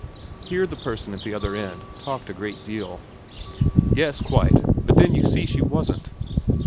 Here the person at the other end talked a great deal. * Yes. Quite. But then you see she wasn't.'